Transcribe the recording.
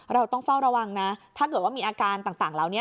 เราต้องเฝ้าระวังนะถ้าเกิดว่ามีอาการต่างเหล่านี้